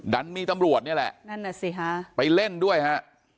ดันมีตำรวจนี่แหละนั่นน่ะสิฮะไปเล่นด้วยฮะ